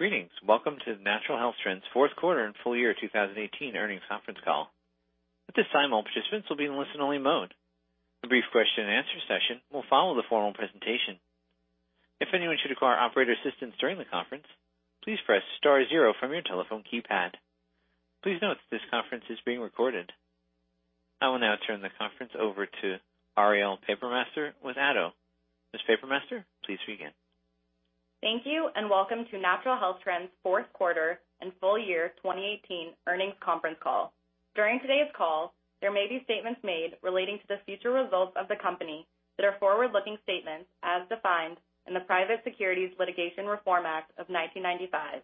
Greetings. Welcome to Natural Health Trends' fourth quarter and full-year 2018 earnings conference call. At this time, all participants will be in listen-only mode. A brief question-and-answer session will follow the formal presentation. If anyone should require operator assistance during the conference, please press star zero from your telephone keypad. Please note this conference is being recorded. I will now turn the conference over to Ariel Papermaster with Addo. Ms. Papermaster, please begin. Thank you. Welcome to Natural Health Trends' fourth quarter and full-year 2018 earnings conference call. During today's call, there may be statements made relating to the future results of the company that are forward-looking statements as defined in the Private Securities Litigation Reform Act of 1995.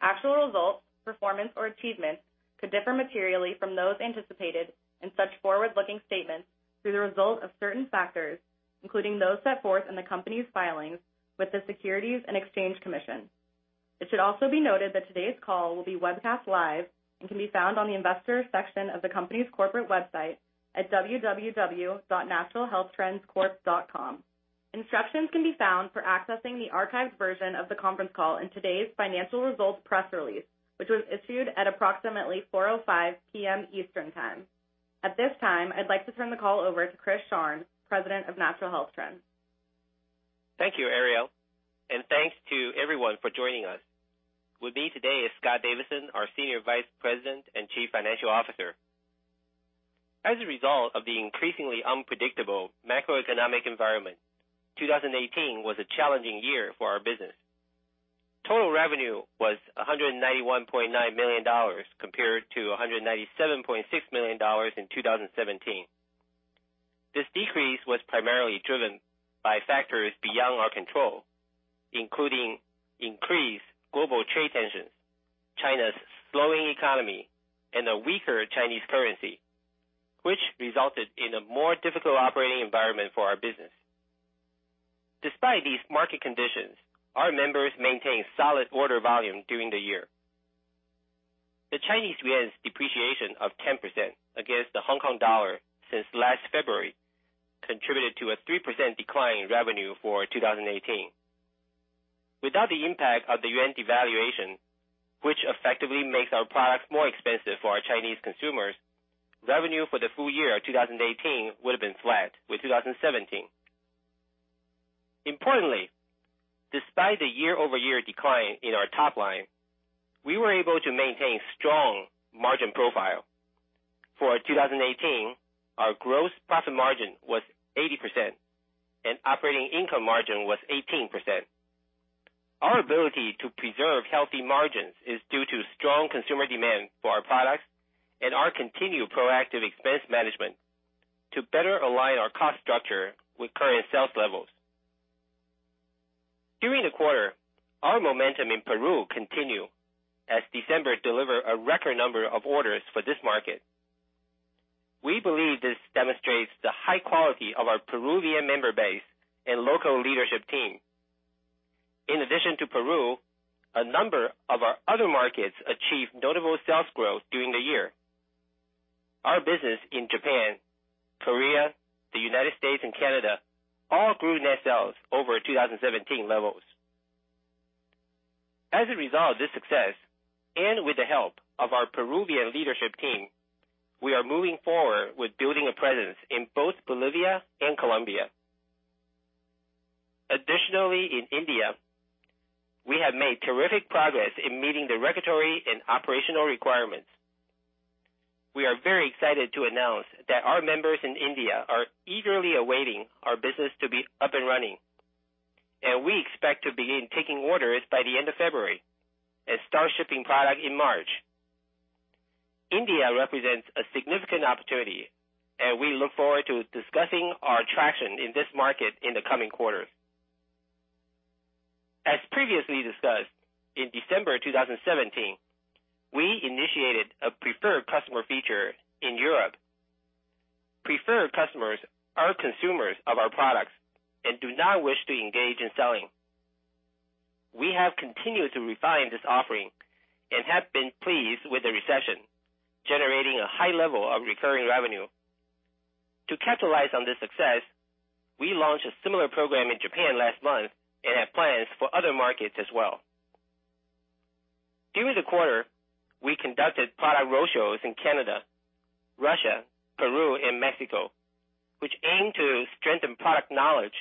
Actual results, performance, or achievements could differ materially from those anticipated in such forward-looking statements through the result of certain factors, including those set forth in the company's filings with the Securities and Exchange Commission. It should also be noted that today's call will be webcast live and can be found on the investor section of the company's corporate website at www.naturalhealthtrendscorp.com. Instructions can be found for accessing the archived version of the conference call in today's financial results press release, which was issued at approximately 4:05 P.M. Eastern Time. At this time, I'd like to turn the call over to Chris Sharng, President of Natural Health Trends. Thank you, Ariel, and thanks to everyone for joining us. With me today is Scott Davidson, our Senior Vice President and Chief Financial Officer. As a result of the increasingly unpredictable macroeconomic environment, 2018 was a challenging year for our business. Total revenue was $191.9 million compared to $197.6 million in 2017. This decrease was primarily driven by factors beyond our control, including increased global trade tensions, China's slowing economy, and a weaker Chinese currency, which resulted in a more difficult operating environment for our business. Despite these market conditions, our members maintained solid order volume during the year. The Chinese yuan's depreciation of 10% against the HKD since last February contributed to a 3% decline in revenue for 2018. Without the impact of the yuan devaluation, which effectively makes our products more expensive for our Chinese consumers, revenue for the full-year 2018 would've been flat with 2017. Importantly, despite the year-over-year decline in our top line, we were able to maintain strong margin profile. For 2018, our gross profit margin was 80% and operating income margin was 18%. Our ability to preserve healthy margins is due to strong consumer demand for our products and our continued proactive expense management to better align our cost structure with current sales levels. During the quarter, our momentum in Peru continued as December delivered a record number of orders for this market. We believe this demonstrates the high quality of our Peruvian member base and local leadership team. In addition to Peru, a number of our other markets achieved notable sales growth during the year. Our business in Japan, Korea, the United States, and Canada all grew net sales over 2017 levels. As a result of this success, and with the help of our Peruvian leadership team, we are moving forward with building a presence in both Bolivia and Colombia. Additionally, in India, we have made terrific progress in meeting the regulatory and operational requirements. We are very excited to announce that our members in India are eagerly awaiting our business to be up and running, and we expect to begin taking orders by the end of February and start shipping product in March. India represents a significant opportunity, and we look forward to discussing our traction in this market in the coming quarters. As previously discussed, in December 2017, we initiated a preferred customer feature in Europe. Preferred customers are consumers of our products and do not wish to engage in selling. We have continued to refine this offering and have been pleased with the reception, generating a high level of recurring revenue. To capitalize on this success, we launched a similar program in Japan last month and have plans for other markets as well. During the quarter, we conducted product roadshows in Canada, Russia, Peru, and Mexico, which aim to strengthen product knowledge,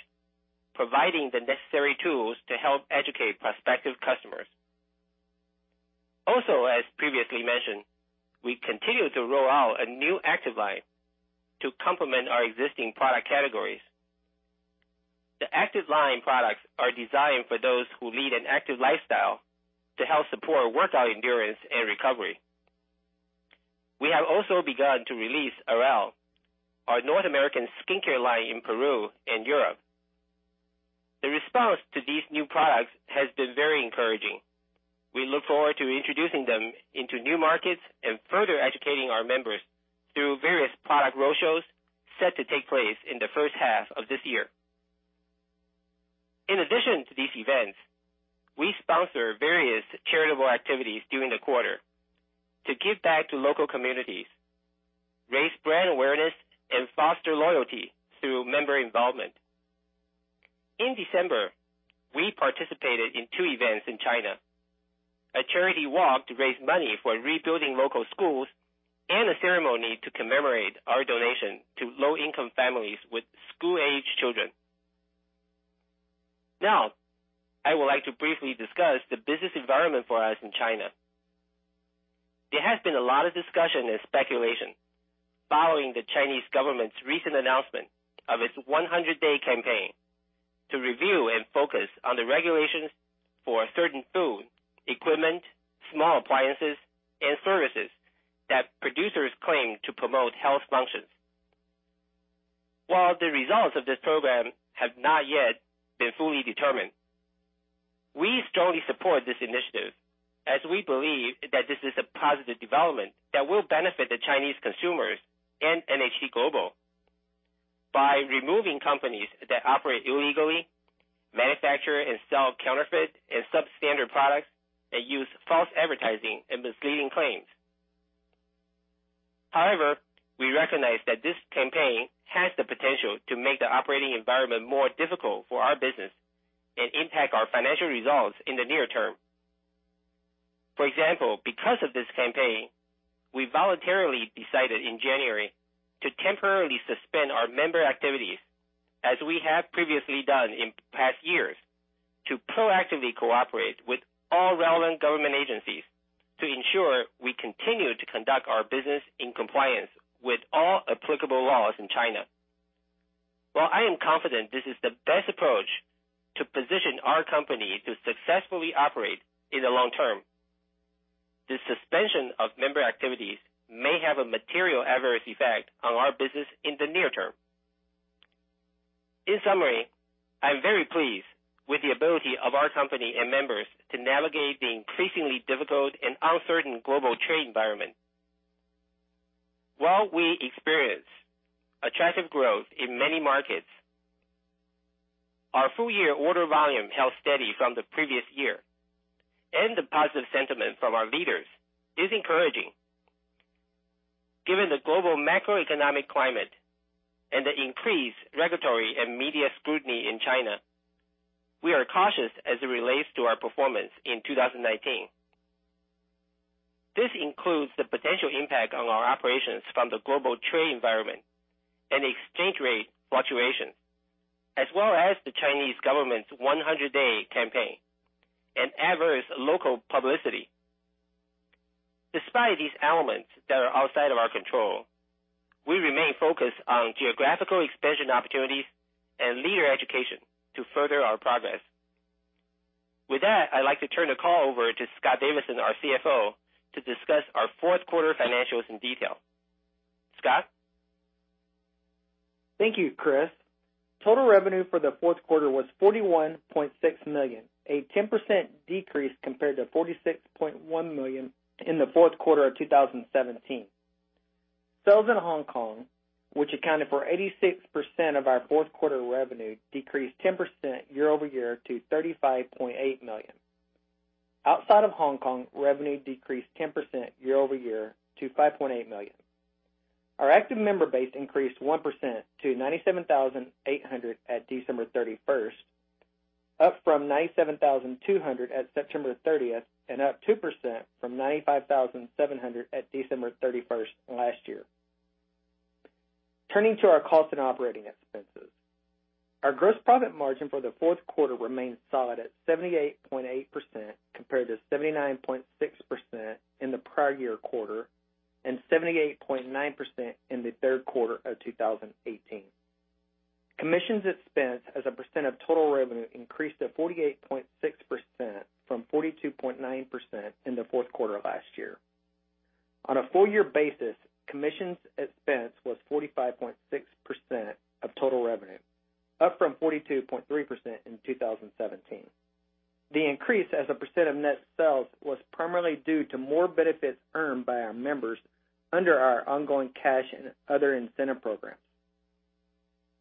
providing the necessary tools to help educate prospective customers. Also, as previously mentioned, we continue to roll out a new Active line to complement our existing product categories. The Active line products are designed for those who lead an active lifestyle to help support workout endurance and recovery. We have also begun to release Airelle, our North American skincare line, in Peru and Europe. The response to these new products has been very encouraging. We look forward to introducing them into new markets and further educating our members through various product roadshows set to take place in the first half of this year. In addition to these events, we sponsored various charitable activities during the quarter to give back to local communities. Raise brand awareness and foster loyalty through member involvement. In December, we participated in two events in China, a charity walk to raise money for rebuilding local schools, and a ceremony to commemorate our donation to low-income families with school-age children. Now, I would like to briefly discuss the business environment for us in China. There has been a lot of discussion and speculation following the Chinese government's recent announcement of its 100-day campaign to review and focus on the regulations for certain food, equipment, small appliances, and services that producers claim to promote health functions. While the results of this program have not yet been fully determined, we strongly support this initiative as we believe that this is a positive development that will benefit the Chinese consumers and NHT Global by removing companies that operate illegally, manufacture and sell counterfeit and substandard products, and use false advertising and misleading claims. However, we recognize that this campaign has the potential to make the operating environment more difficult for our business and impact our financial results in the near-term. For example, because of this campaign, we voluntarily decided in January to temporarily suspend our member activities, as we have previously done in past years, to proactively cooperate with all relevant government agencies to ensure we continue to conduct our business in compliance with all applicable laws in China. While I am confident this is the best approach to position our company to successfully operate in the long-term, the suspension of member activities may have a material adverse effect on our business in the near-term. In summary, I'm very pleased with the ability of our company and members to navigate the increasingly difficult and uncertain global trade environment. While we experience attractive growth in many markets, our full-year order volume held steady from the previous year, and the positive sentiment from our leaders is encouraging. Given the global macroeconomic climate and the increased regulatory and media scrutiny in China, we are cautious as it relates to our performance in 2019. This includes the potential impact on our operations from the global trade environment and exchange rate fluctuations, as well as the Chinese government's 100-day campaign and adverse local publicity. Despite these elements that are outside of our control, we remain focused on geographical expansion opportunities and leader education to further our progress. With that, I'd like to turn the call over to Scott Davidson, our CFO, to discuss our fourth quarter financials in detail. Scott? Thank you, Chris. Total revenue for the fourth quarter was $41.6 million, a 10% decrease compared to $46.1 million in the fourth quarter of 2017. Sales in Hong Kong, which accounted for 86% of our fourth quarter revenue, decreased 10% year-over-year to $35.8 million. Outside of Hong Kong, revenue decreased 10% year-over-year to $5.8 million. Our active member base increased 1% to 97,800 at December 31st, up from 97,200 at September 30th, and up 2% from 95,700 at December 31st last year. Turning to our cost and operating expenses. Our gross profit margin for the fourth quarter remained solid at 78.8% compared to 79.6% in the prior year quarter and 78.9% in the third quarter of 2018. Commissions expense as a percent of total revenue increased to 48.6% from 42.9% in the fourth quarter last year. On a full-year basis, commissions expense was 45.6% of total revenue, up from 42.3% in 2017. The increase as a percent of net sales was primarily due to more benefits earned by our members under our ongoing cash and other incentive programs.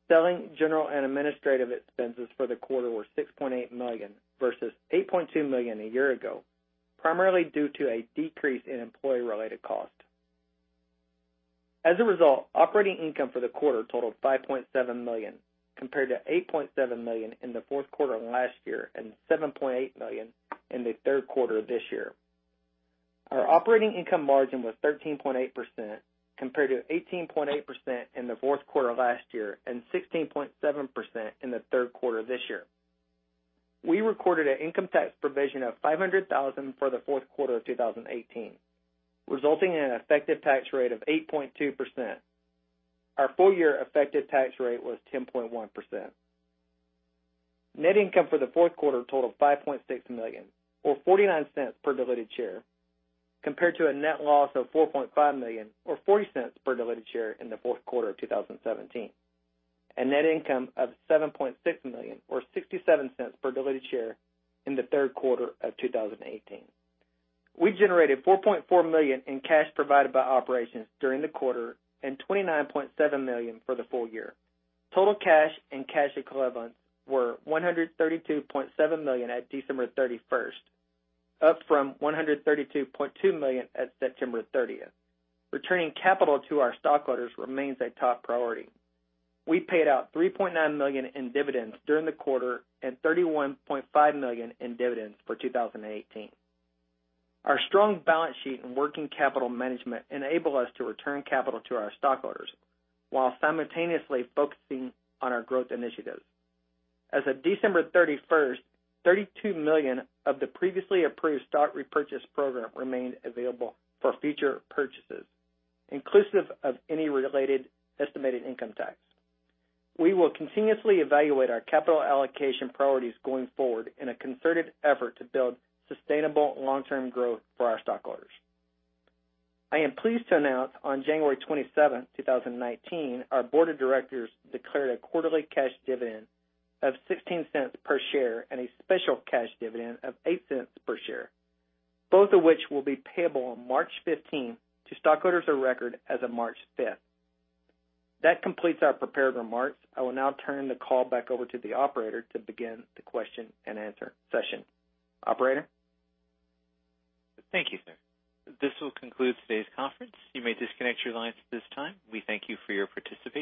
Selling, general, and administrative expenses for the quarter were $6.8 million versus $8.2 million a year ago, primarily due to a decrease in employee-related cost. As a result, operating income for the quarter totaled $5.7 million, compared to $8.7 million in the fourth quarter of last year and $7.8 million in the third quarter of this year. Our operating income margin was 13.8% compared to 18.8% in the fourth quarter last year and 16.7% in the third quarter of this year. We recorded an income tax provision of $500,000 for the fourth quarter of 2018, resulting in an effective tax rate of 8.2%. Our full-year effective tax rate was 10.1%. Net income for the fourth quarter totaled $5.6 million or $0.49 per diluted share, compared to a net loss of $4.5 million or $0.40 per diluted share in the fourth quarter of 2017, and net income of $7.6 million or $0.67 per diluted share in the third quarter of 2018. We generated $4.4 million in cash provided by operations during the quarter and $29.7 million for the full-year. Total cash and cash equivalents were $132.7 million at December 31st, up from $132.2 million at September 30th. Returning capital to our stockholders remains a top priority. We paid out $3.9 million in dividends during the quarter and $31.5 million in dividends for 2018. Our strong balance sheet and working capital management enable us to return capital to our stockholders while simultaneously focusing on our growth initiatives. As of December 31st, $32 million of the previously approved stock repurchase program remained available for future purchases, inclusive of any related estimated income tax. We will continuously evaluate our capital allocation priorities going forward in a concerted effort to build sustainable long-term growth for our stockholders. I am pleased to announce on January 27th, 2019, our board of directors declared a quarterly cash dividend of $0.16 per share and a special cash dividend of $0.08 per share, both of which will be payable on March 15 to stockholders of record as of March 5th. That completes our prepared remarks. I will now turn the call back over to the operator to begin the question-and-answer session. Operator? Thank you, sir. This will conclude today's conference. You may disconnect your lines at this time. We thank you for your participation